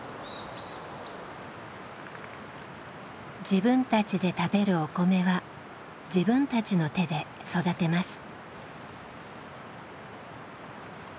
自分たちで食べるお米は自分たちの手で育てます。